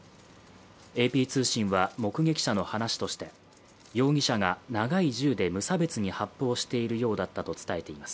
ＡＰ通信は、目撃者の話として容疑者が長い銃で無差別に発砲しているようだったと伝えています。